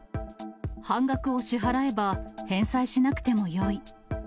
半額を支払えば、返済しなくてもよい。